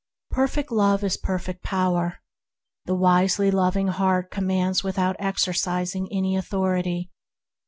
Perfect Love is perfect Power. The wisely loving heart commands without exer cising any authority.